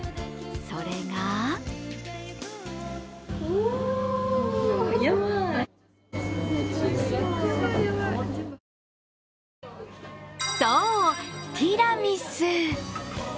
それがそう、ティラミス。